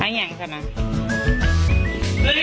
ไม่อยากจะมา